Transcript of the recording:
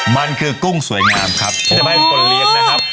มันคือกุ้งสวยงามครับที่จะไม่ให้คนเลี้ยงนะครับ